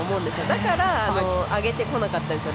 だから上げてこなかったんですよ